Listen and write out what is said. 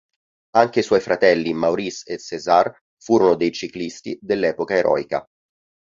Anche i suoi fratelli Maurice e César furono dei ciclisti dell'epoca eroica.